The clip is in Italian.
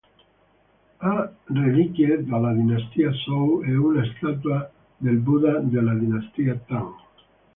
Ha reliquie dalla dinastia Zhou e una statua del Buddha della dinastia Tang.